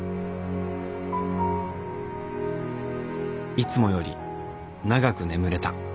いつもより長く眠れた。